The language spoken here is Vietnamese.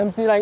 em xin anh